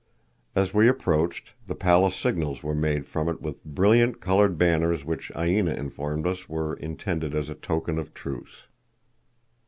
As we approached the palace signals were made from it with brilliant colored banners which Aina informed us were intended as a token of truce.